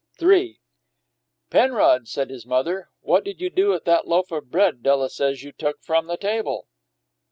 III "Penrod," said his mother, "what did you do with that loaf of bread Della says you took from the table?"